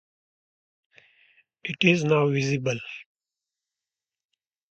It is now visible.